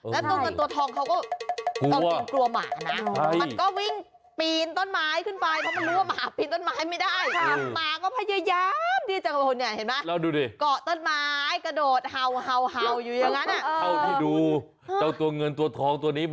และเสาก็เตี้ยและก็พยายามยังไงโอ้กระดายอยู่แค่นั้นเองเรื่องนี้